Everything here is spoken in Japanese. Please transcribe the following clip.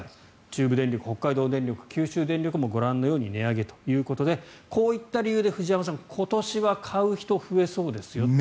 中部電力、北海道電力九州電力もご覧のように値上げということでこういった理由で藤山さん今年は買う人増えそうですよと。